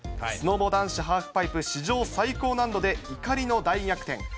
スノボ男子ハーフパイプ史上最高難度で怒りの大逆転。